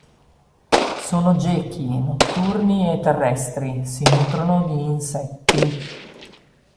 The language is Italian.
Sono gechi notturni e terrestri, si nutrono di insetti.